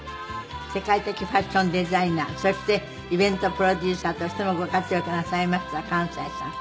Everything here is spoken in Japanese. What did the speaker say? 世界的ファッションデザイナーそしてイベントプロデューサーとしてもご活躍なさいました寛斎さん。